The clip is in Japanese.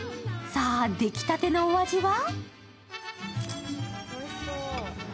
さあ、出来立てのお味は？